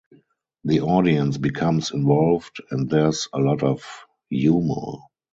The audience becomes involved, and there's a lot of humor.